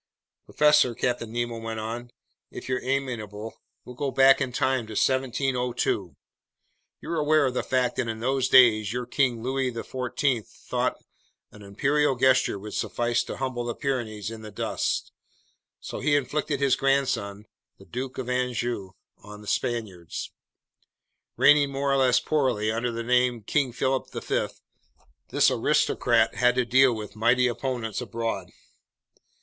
"Professor," Captain Nemo went on, "if you're amenable, we'll go back in time to 1702. You're aware of the fact that in those days your King Louis XIV thought an imperial gesture would suffice to humble the Pyrenees in the dust, so he inflicted his grandson, the Duke of Anjou, on the Spaniards. Reigning more or less poorly under the name King Philip V, this aristocrat had to deal with mighty opponents abroad.